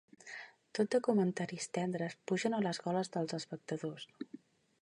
Tot de comentaris tendres pugen a les goles dels espectadors.